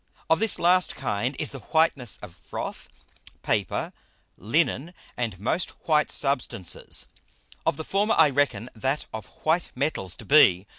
Of this last kind is the Whiteness of Froth, Paper, Linnen, and most white Substances; of the former I reckon that of white Metals to be.